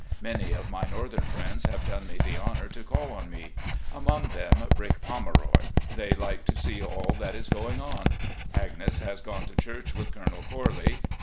Many of my northern friends have done me the honour to call on me. Among them 'Brick Pomeroy.' They like to see all that is going on. Agnes has gone to church with Colonel Corley.